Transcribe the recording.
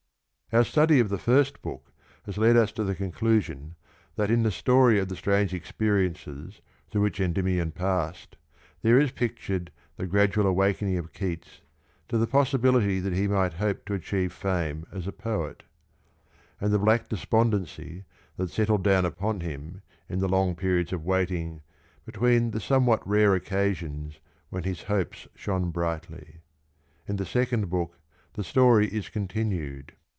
Our study of the first book has led us to the con clusion that in the story of the strange experiences through which Endymion passed there is pictured the gradual awakening of Keats to the possibility that he might hope to achieve fame as a poet; and the black despondency that settled down upon him in the long periods of waiting between the somewhat rare occasions when his hopes shone brightly. In the second book the story is continued.